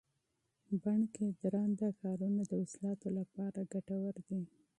بڼ کې درانده کارونه د عضلاتو لپاره ګټور دي.